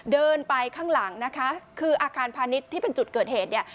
เดินไปข้างหลังนะคะคืออาคารพาณิชย์ที่เป็นจุดเกิดเหตุเนี่ย